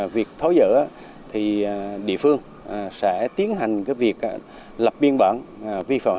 việc tháo rỡ thì địa phương sẽ tiến hành việc lập biên bộ